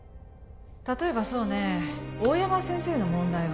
例えばそうね大山先生の問題は